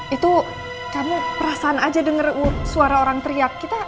itu kamu perasaan aja denger suara orang teriak